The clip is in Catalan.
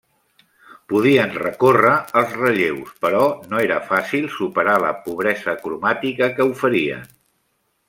Podien recórrer als relleus, però no era fàcil superar la pobresa cromàtica que oferien.